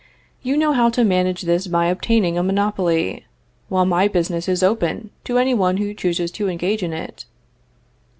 You know how to manage this by obtaining a monopoly, while my business is open to any one who chooses to engage in it.